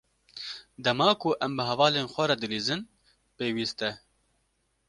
Dema ku em bi hevalên xwe re dilîzin, pêwîst e.